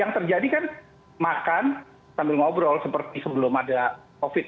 yang terjadi kan makan sambil ngobrol seperti sebelum ada covid